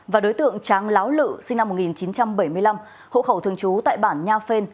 và đối tượng tráng láo lự sinh năm một nghìn chín trăm bảy mươi năm hộ khẩu thường trú tại bản nha phên